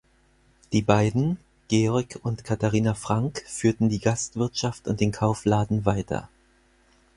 Die beiden, Georg und Katharina Frank, führten die Gastwirtschaft und den Kaufladen weiter.